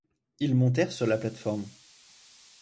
Ils montèrent sur la plate-forme.